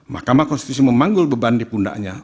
mahkamah konstitusi memanggul beban di pundaknya